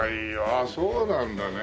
あっそうなんだね。